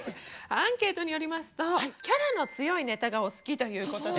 アンケートによりますとキャラの強いネタがお好きということで。